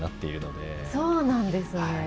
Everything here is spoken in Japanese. そうなんですね。